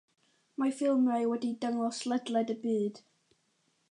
Mae ei ffilmiau wedi'u dangos ledled y byd.